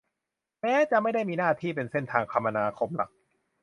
แม้จะไม่ได้มีหน้าที่เป็นเส้นทางคมนาคมหลัก